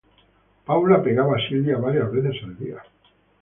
Paula pegaba a Sylvia varias veces al día.